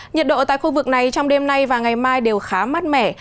nhiệt độ tại khu vực này trong đêm nay và ngày mai đều khá mát mẻ